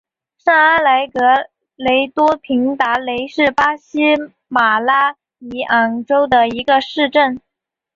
上阿莱格雷多平达雷是巴西马拉尼昂州的一个市镇。